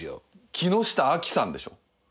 木下亜希さんでしょ。